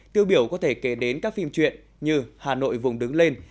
tiêu biểu có thể kể đến các phim truyện như hà nội vùng đứng lên